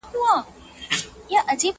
نه چاره یې په دارو درمل کېدله.!